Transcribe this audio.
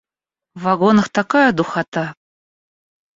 В вагонах такая духота.